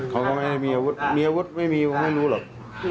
เขาก็ไม่มีอาวุธมีอาวุธไม่มีผมไม่รู้หรอก